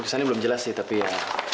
kesannya belum jelas sih tapi ya